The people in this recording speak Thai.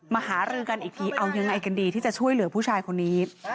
หารือกันอีกทีเอายังไงกันดีที่จะช่วยเหลือผู้ชายคนนี้